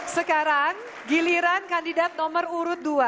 sekarang giliran kandidat nomor urut dua